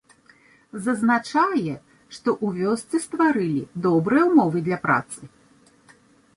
Зазначае, што ў вёсцы стварылі добрыя ўмовы для працы.